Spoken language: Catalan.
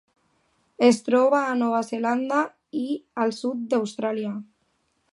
Es troba a Nova Zelanda i al sud d'Austràlia.